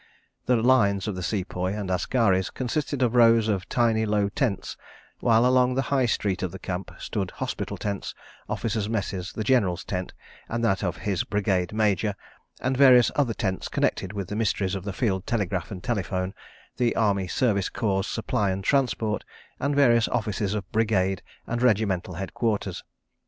The "lines" of the Sepoys and askaris consisted of rows of tiny low tents, while along the High Street of the Camp stood hospital tents, officers' messes, the General's tent, and that of his Brigade Major, and various other tents connected with the mysteries of the field telegraph and telephone, the Army Service Corps' supply and transport, and various offices of Brigade and Regimental Headquarters.